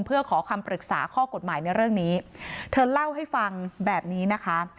เพื่อขอคำปรึกษาข้อกฎหมายในเรื่องนี้เธอเล่าให้ฟังแบบนี้นะคะ